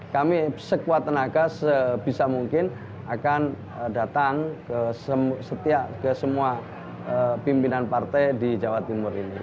kami sekuat tenaga sebisa mungkin akan datang ke semua pimpinan partai di jawa timur ini